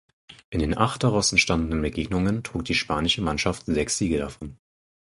In den acht daraus entstandenen Begegnungen trug die spanische Mannschaft sechs Siege davon.